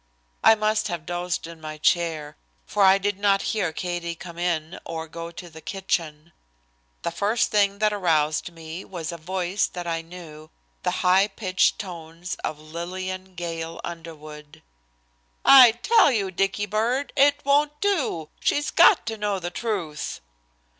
I must have dozed in my chair, for I did not hear Katie come in or go to the kitchen. The first thing that aroused me was a voice that I knew, the high pitched tones of Lillian Gale Underwood. "I tell you, Dicky bird, it won't do. She's got to know the truth."